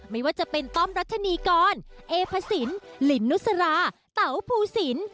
ไม่ว่าจะเป็นต้อมรัชนีกรเอพสินลินนุสราเต๋าภูสิน